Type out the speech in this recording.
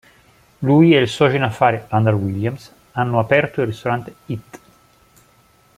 Lui e il socio in affari Randall Williams hanno aperto il ristorante Eat!